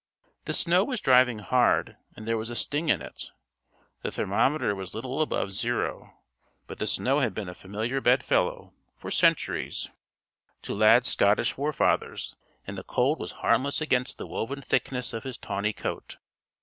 The snow was driving hard, and there was a sting in it. The thermometer was little above zero; but the snow had been a familiar bedfellow, for centuries, to Lad's Scottish forefathers; and the cold was harmless against the woven thickness of his tawny coat.